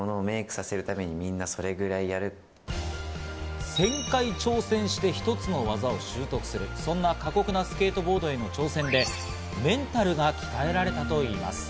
１０００回挑戦して一つの技を習得する、そんな過酷のスケートボードへの挑戦でメンタルが鍛え上げられたといます。